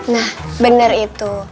nah bener itu